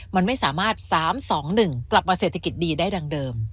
มันไม่สามารถ๓๒๑กลับมาเศรษฐกิจดีได้ดังเดิม